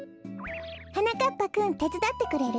はなかっぱくんてつだってくれる？